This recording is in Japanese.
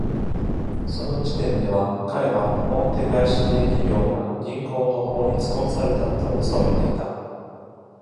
その時点では、彼は大手外資系企業や銀行の法律コンサルタントを務めていた。